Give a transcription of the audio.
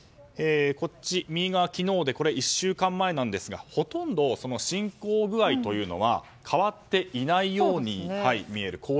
右側が昨日で左が１週間前なんですがほとんど侵攻具合というのは変わっていないように見える。